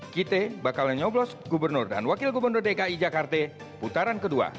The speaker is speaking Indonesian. kita bakal nyoblos gubernur dan wakil gubernur dki jakarta putaran kedua